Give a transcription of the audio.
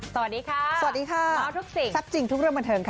สวัสดีค่ะสวัสดีค่ะเมาทุกสิ่งแซ่บจริงทุกเรื่องบันเทิงค่ะ